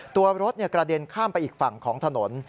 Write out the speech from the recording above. ตัวรถกระเด็นข้ามไปอีกฝั่งของถนน